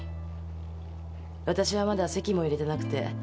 わたしはまだ籍も入れてなくて。